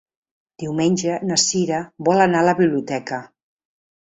Diumenge na Sira vol anar a la biblioteca.